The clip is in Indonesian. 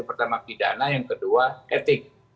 pertama pidana yang kedua etik